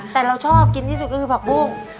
แต่เราชอบกินที่สุดก็คือผักบุ้ง